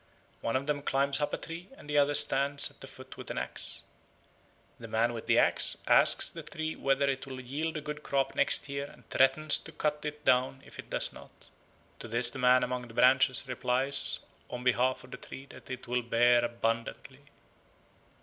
One of them climbs up a tree and the other stands at the foot with an axe. The man with the axe asks the tree whether it will yield a good crop next year and threatens to cut it down if it does not. To this the man among the branches replies on behalf of the tree that it will bear abundantly.